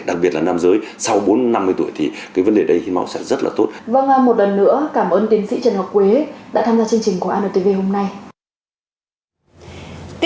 đặc biệt là nam giới sau bốn năm mươi tuổi thì cái vấn đề đấy hình máu sẽ rất là tốt